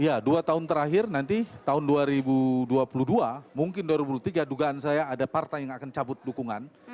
ya dua tahun terakhir nanti tahun dua ribu dua puluh dua mungkin dua ribu dua puluh tiga dugaan saya ada partai yang akan cabut dukungan